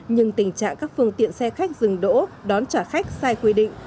nhưng tình trạng các phương tiện xe khách dừng đỗ đón trả khách sai quy định